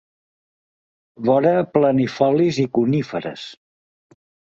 Vora planifolis i coníferes.